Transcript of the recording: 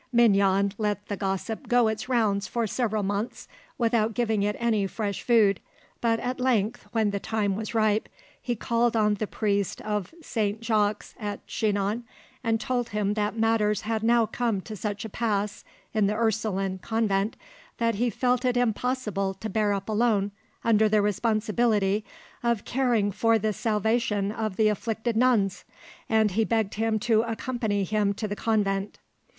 Mignon let the gossip go its rounds for several months without giving it any fresh food, but at length, when the time was ripe, he called on the priest of Saint Jacques at Chinon, and told him that matters had now come to such a pass in the Ursuline convent that he felt it impossible to bear up alone under the responsibility of caring for the salvation of the afflicted nuns, and he begged him to accompany him to the convent.